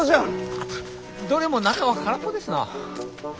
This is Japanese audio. アタッどれも中は空っぽですな。